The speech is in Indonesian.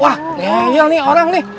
wah leyal nih orang nih